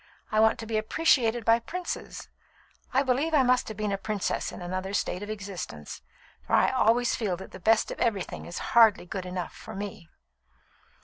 I want to be appreciated by princes. I believe I must have been a princess in another state of existence, for I always feel that the best of everything is hardly good enough for me."